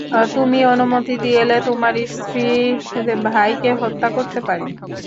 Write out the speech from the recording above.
তুমি অনুমতি দিলে তোমার স্ত্রীর ভাইকে হত্যা করতে পারি।